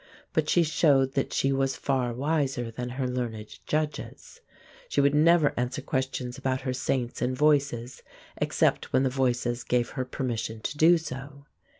But she showed that she was far wiser than her learned judges. She would never answer questions about her Saints and Voices except when the Voices gave her permission to do so.